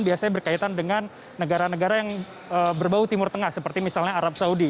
biasanya berkaitan dengan negara negara yang berbau timur tengah seperti misalnya arab saudi